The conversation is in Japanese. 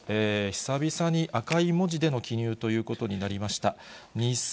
久々に赤い文字での記入ということになりました。